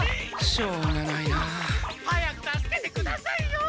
しょうがないな。早く助けてくださいよ！